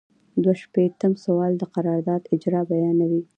دوه شپیتم سوال د قرارداد اجزا بیانوي.